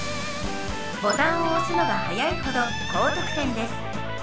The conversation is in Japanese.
ボタンを押すのが早いほど高得点です。